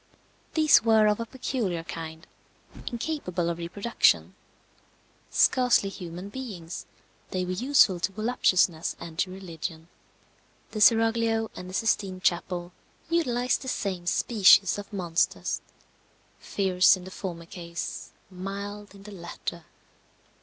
These were of a peculiar kind, incapable of reproduction. Scarcely human beings, they were useful to voluptuousness and to religion. The seraglio and the Sistine Chapel utilized the same species of monsters; fierce in the former case, mild in the latter.